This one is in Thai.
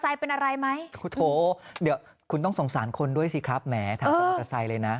ด้วยสิครับแหมถามคุณอาจารย์ไซค์เลยนะ